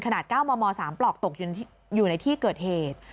๙มม๓ปลอกตกอยู่ในที่เกิดเหตุ